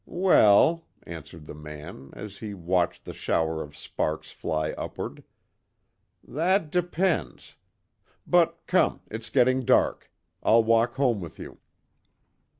"Well," answered the man, as he watched the shower of sparks fly upward, "That depends But, come, it's getting dark. I'll walk home with you."